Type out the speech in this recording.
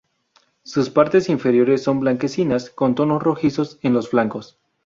Sus partes inferiores son blanquecinas con tonos rojizos en los flancos.